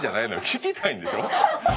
聞きたいんでしょ？